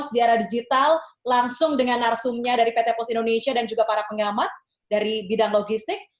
dan narsumnya dari pt pos indonesia dan juga para pengamat dari bidang logistik